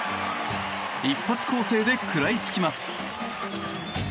一発攻勢で食らいつきます。